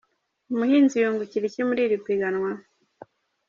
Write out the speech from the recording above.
Umuhinzi yungukira iki muri iri piganwa?.